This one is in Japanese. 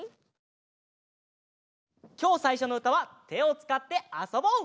きょうさいしょのうたはてをつかってあそぼう！